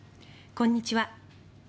こんにちは。